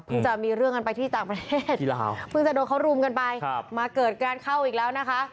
จะมีเรื่องกันไปที่ต่างประเทศเพิ่งจะโดนเขารุมกันไปมาเกิดการเข้าอีกแล้วนะคะ